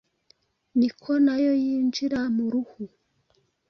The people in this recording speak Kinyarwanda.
ni ko na yo yinjira mu ruhu